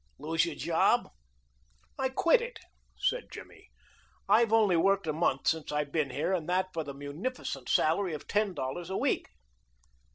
"Lose your job?" "I quit it," said Jimmy. "I've only worked a month since I've been here, and that for the munificent salary of ten dollars a week."